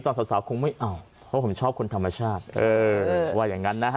สาวสาวคงไม่เอาเพราะผมชอบคนธรรมชาติเออว่าอย่างนั้นนะฮะ